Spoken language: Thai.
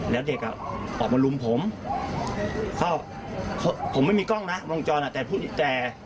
แล้วเด็กอ่ะออกมาลุมผมเข้าผมไม่มีกล้องนะลองจอดอ่ะ